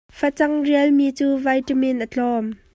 Facang rialmi cu vitamin a tlawm.